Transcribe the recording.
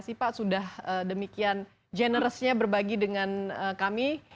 terima kasih pak sudah demikian generous nya berbagi dengan kami